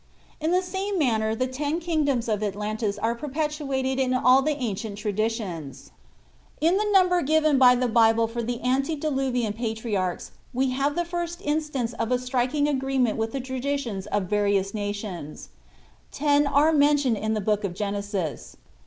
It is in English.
In the same manner the ten kingdoms of Atlantis are perpetuated in all the ancient traditions. "In the number given by the Bible for the Antediluvian patriarchs we have the first instance of a striking agreement with the traditions of various nations. Ten are mentioned in the Book of Genesis.